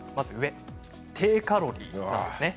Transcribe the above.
低カロリーなんです。